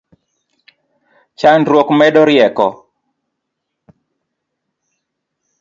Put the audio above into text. Chandruok medo rieko